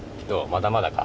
まだまだか。